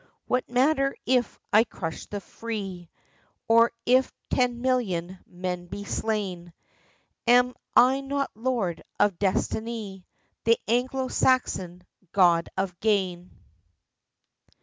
What matter if I crush the free, Or if ten million men be slain ; Am I not lord of Destiny, The Anglo Saxon god of Gain